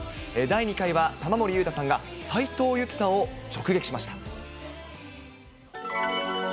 第２回は玉森裕太さんが斉藤由貴さんを直撃しました。